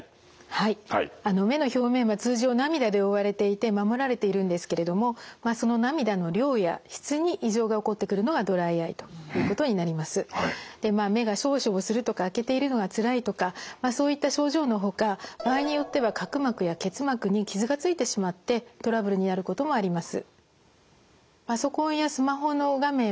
はい目の表面は通常涙で覆われていて守られているんですけれども目がしょぼしょぼするとか開けているのがつらいとかそういった症状のほか場合によっては角膜や結膜に傷がついてしまってトラブルになることもあります。